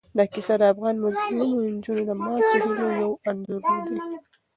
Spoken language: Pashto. دا کیسه د افغان مظلومو نجونو د ماتو هیلو یو انځور دی.